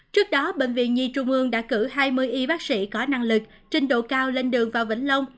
trước đó bệnh viện nhi trung ương đã cử hai mươi y bác sĩ có năng lực trình độ cao lên đường vào vĩnh long